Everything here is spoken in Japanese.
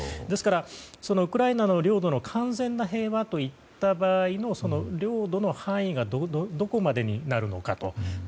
ですから、ウクライナの領土の完全な平和といった場合の領土の範囲がどこまでになるのかと。